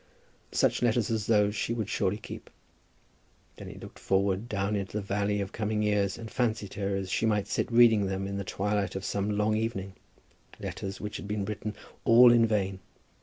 Such letters as those she would surely keep. Then he looked forward, down into the valley of coming years, and fancied her as she might sit reading them in the twilight of some long evening, letters which had been written all in vain.